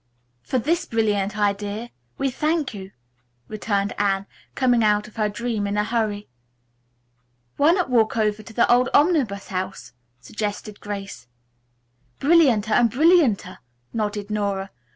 "For this brilliant idea, we thank you," returned Anne, coming out of her dream in a hurry. "Why not walk over to the old Omnibus House," suggested Grace. "Brillianter and brillianter," nodded Nora.